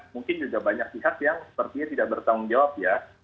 mungkin juga banyak pihak yang sepertinya tidak bertanggung jawab ya